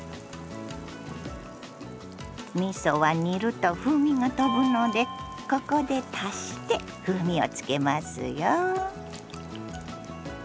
みそは煮ると風味がとぶのでここで足して風味をつけますよ。